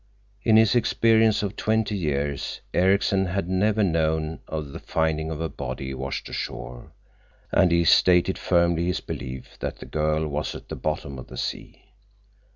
In his experience of twenty years Ericksen had never known of the finding of a body washed ashore, and he stated firmly his belief that the girl was at the bottom of the sea.